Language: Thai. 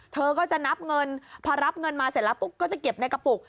เธอก็จะนับเงินพอรับเงินมาเสร็จแล้วปุ๊บก็จะเก็บในกระปุก